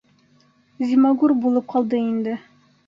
Зимагур булып ҡалды инде.